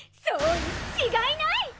そうに違いない！！